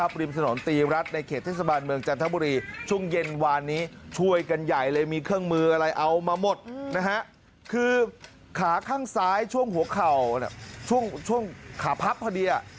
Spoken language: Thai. ไปเอาคู่พ่ายค่ะวันนี้